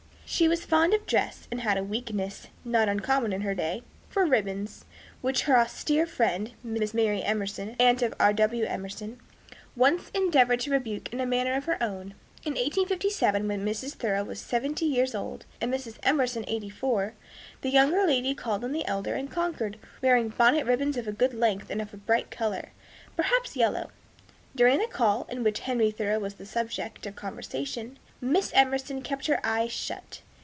She was fond of dress, and had a weakness, not uncommon in her day, for ribbons, which her austere friend, Miss Mary Emerson (aunt of R. W. Emerson), once endeavored to rebuke in a manner of her own. In 1857, when Mrs. Thoreau was seventy years old, and Miss Emerson eighty four, the younger lady called on the elder in Concord, wearing bonnet ribbons of a good length and of a bright color, perhaps yellow. During the call, in which Henry Thoreau was the subject of conversation, Miss Emerson kept her eyes shut.